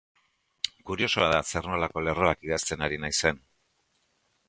Kuriosoa da zer-nolako lerroak idazten ari naizen.